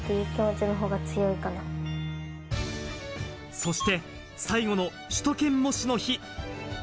そして最後の首都圏模試の日。